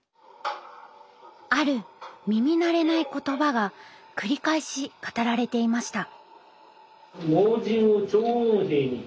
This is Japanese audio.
ある耳慣れない言葉が繰り返し語られていました。